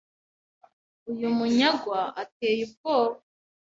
Uyu munyagwa ateye ubwoba,